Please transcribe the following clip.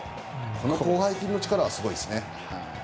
この広背筋の力はすごいですよね。